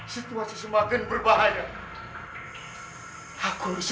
situasi semakin berbahaya aku segera tahu